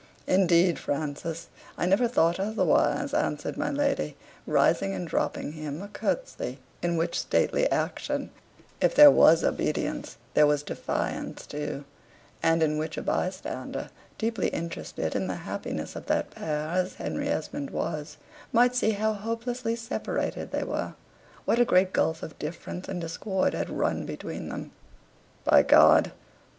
"Indeed, Francis, I never thought otherwise," answered my lady, rising and dropping him a curtsy, in which stately action, if there was obedience, there was defiance too; and in which a bystander, deeply interested in the happiness of that pair as Harry Esmond was, might see how hopelessly separated they were; what a great gulf of difference and discord had run between them. "By G d!